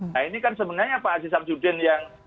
nah ini kan sebenarnya pak aziz samsudin yang